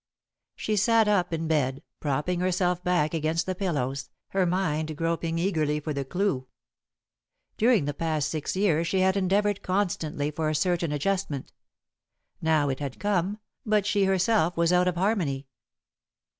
She sat up in bed, propping herself back against the pillows, her mind groping eagerly for the clue. During the past six years she had endeavoured constantly for a certain adjustment. Now it had come, but she herself was out of harmony.